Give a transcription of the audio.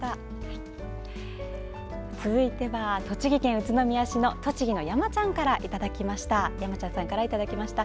続いては栃木県宇都宮市の栃木の山ちゃんさんからいただきました。